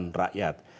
di depan rakyat